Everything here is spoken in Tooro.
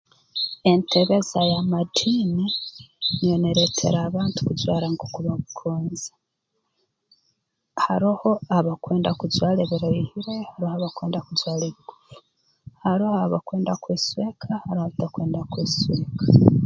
Enyegesa y'amadiini niyo neeretera abantu kujwara nukwo bakugonza haroho abakwenda kujwara ebiraihire haroho abakwenda kujwara ebigufu haroho abakwenda kwesweka haroho abatakwenda kwesweka